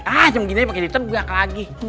ah cuma begini aja pakai laptop buang ke lagi